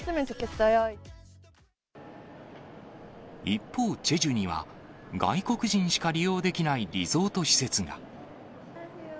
一方、チェジュには外国人しか利用できないリゾート施設が。